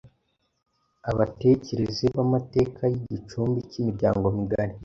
Abatekereze b’amateka y’Igicumbi cy’imiryango migari